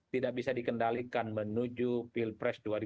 tidak bisa dikendalikan menuju pilpres dua ribu dua puluh